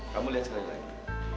kamu lihat sekali lagi